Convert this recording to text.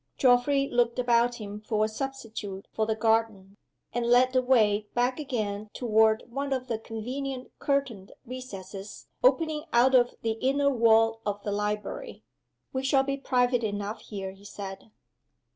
Geoffrey looked about him for a substitute for the garden, and led the way back again toward one of the convenient curtained recesses opening out of the inner wall of the library. "We shall be private enough here," he said.